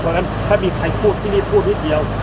เพราะฉะนั้นถ้ามีใครพูดที่นี่พูดนิดเดียว